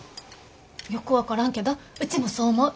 よく分からんけどうちもそう思う。